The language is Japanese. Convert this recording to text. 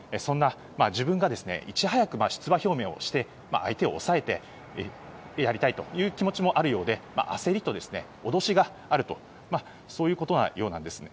自分がいち早く出馬表明して相手を抑えてやりたいという気持ちもあるようで焦りと脅しがあるとそういうようなことなんです。